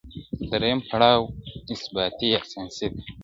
درېیم پړاو اثباتي یا ساینسي دی.